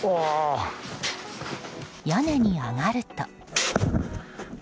屋根に上がると。